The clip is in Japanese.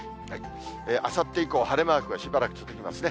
あさって以降、晴れマークがしばらく続きますね。